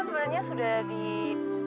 aku sebenarnya sudah di deket daerah rumah kamu